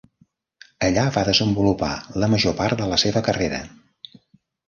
Allà va desenvolupar la major part de la seva carrera.